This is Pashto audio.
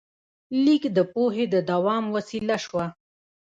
لیک د پوهې د دوام وسیله شوه.